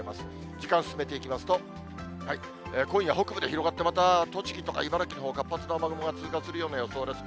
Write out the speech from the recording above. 時間進めていきますと、今夜北部で広がって、また栃木とか茨城のほう、活発な雨雲が通過するような予想です。